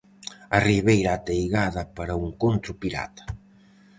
A ribeira ateigada para o encontro pirata.